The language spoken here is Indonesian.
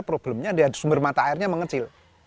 problemnya sumber mata airnya mengecil